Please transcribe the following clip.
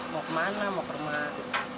mau kemana mau ke rumah